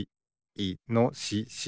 いのしし。